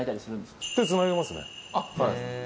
あっそうなんですね